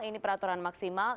ini peraturan maksimal